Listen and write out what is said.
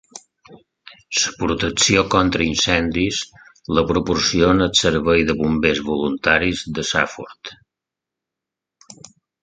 La protecció contra incendis la proporciona el Servei de Bombers Voluntaris de Safford.